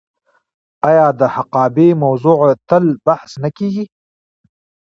آیا د حقابې موضوع تل بحث نه کیږي؟